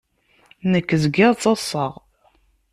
Nekk zgiɣ ttaḍṣaɣ.